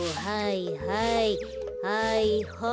はいはい。